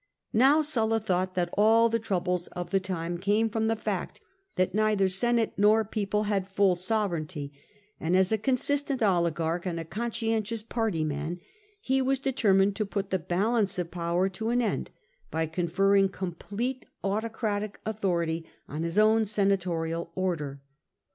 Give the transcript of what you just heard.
Now Sulla thought that all the troubles of the time came from the fact that neither Senate nor people had full sovereignty; and, as a consistent oligarch and a conscientious party man, he was determined to put the balance of power to an end, by conferring complete autocratic authority on his own senatorial order.